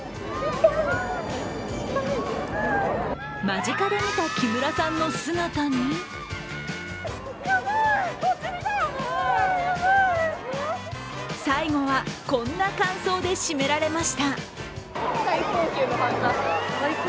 間近で見た木村さんの姿に最後は、こんな感想でしめられました。